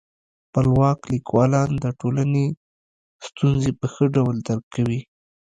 خپلواک لیکوالان د ټولني ستونزي په ښه ډول درک کوي.